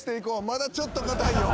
まだちょっとかたいよ。